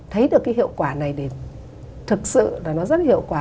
thấy được cái hiệu quả này thì thực sự là nó rất hiệu quả